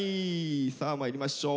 さあまいりましょう。